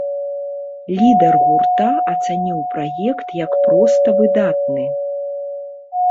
Лідар гурта ацаніў праект як проста выдатны.